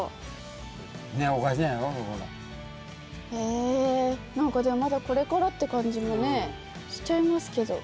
え何かでもまだこれからって感じもねしちゃいますけど。